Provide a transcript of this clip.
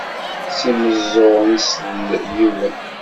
S imeẓẓuɣen i isell yiwen.